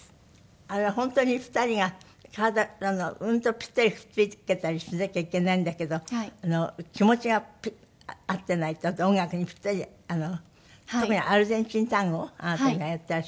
あれは本当に２人が体うんとピッタリくっつけたりしなきゃいけないんだけど気持ちが合ってないと音楽にピッタリ特にアルゼンチンタンゴあなたがやっていらっしゃる。